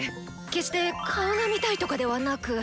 決して顔が見たいとかではなく！